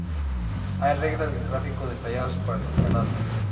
Hay reglas de tráfico detalladas para el canal.